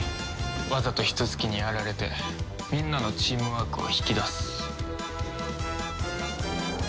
わざとヒトツ鬼にやられてみんなのチームワークを引き出す。